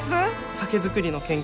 酒造りの研究